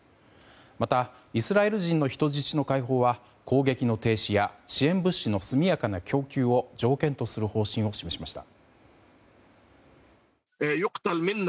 またイスラエル人の人質の解放は攻撃の停止や支援物資の速やかな供給を条件とする方針を示しました。